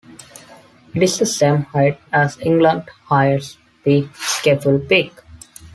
It is the same height as England's highest peak, Scafell Pike.